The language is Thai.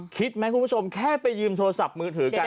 คิดไหมคุณผู้ชมแค่ไปยืมโทรศัพท์มือถือกัน